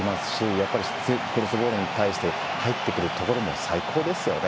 やっぱりクロスボールに対して入ってくるところも最高ですよね。